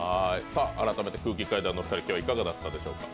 改めて空気階段のお二人、今日はいかがだったでしょうか？